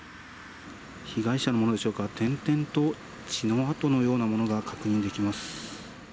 被害者のものでしょうか、点々と血の跡のようなものが確認できます。